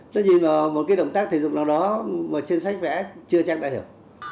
tôi nhìn vào một cái động tác thể dục nào đó mà trên sách vẽ chưa chắc đã hiểu